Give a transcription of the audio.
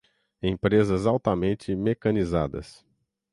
empresas altamente mecanizadas